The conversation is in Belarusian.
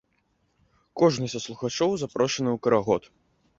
Кожны са слухачоў запрошаны ў карагод!